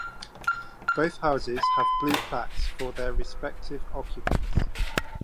Both houses have blue plaques for their respective occupants.